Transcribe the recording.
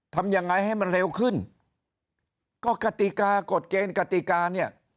ทำยังไงให้มันเร็วขึ้นก็กติกากฎเกณฑ์กติกาเนี่ย